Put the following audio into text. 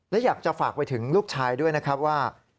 และอยากจะฝากไปถึงลูกชายด้วยนะครับว่า